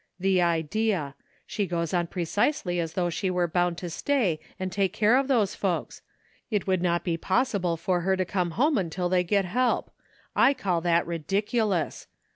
"The idea! she goes on precisely as though she were bound to stay and take care of those folks ; it would not be possible for her to come home until they get help! 1 call that ridiculous!